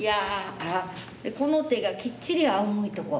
この手がきっちりあおむいとこ。